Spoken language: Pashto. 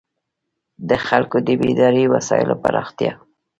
د خلکو د بېدارۍ وسایلو پراختیا.